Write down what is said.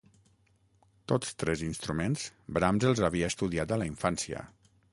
Tots tres instruments, Brahms els havia estudiat a la infància.